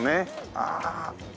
ああ。